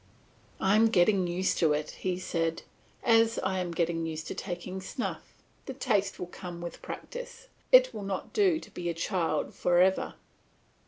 "I am getting used to it," he said, "as I am getting used to taking snuff; the taste will come with practice; it will not do to be a child for ever."